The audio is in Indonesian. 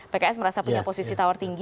pks merasa punya posisi tawar tinggi